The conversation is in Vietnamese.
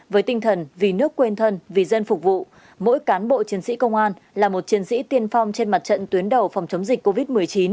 với tinh thần vì nước quên thân vì dân phục vụ mỗi cán bộ chiến sĩ công an là một chiến sĩ tiên phong trên mặt trận tuyến đầu phòng chống dịch covid một mươi chín